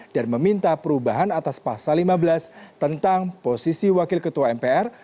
dan meminta perubahan atas pasal lima belas tentang posisi wakil ketua mpr